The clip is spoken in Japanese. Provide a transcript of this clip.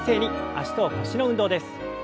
脚と腰の運動です。